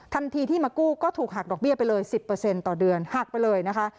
ทันทีที่มากู้ก็ถูกหักดอกเบี้ยไปเลยสิบเปอร์เซ็นต์ต่อเดือนหักไปเลยนะคะ